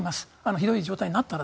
ひどい状態になったら。